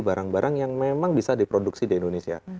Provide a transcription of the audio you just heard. barang barang yang memang bisa diproduksi di indonesia